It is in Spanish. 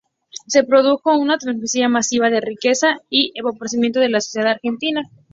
Se produjo una transferencia masiva de riqueza y el empobrecimiento de la sociedad argentina.